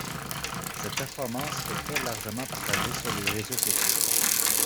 Cette performance est très largement partagée sur les réseaux sociaux.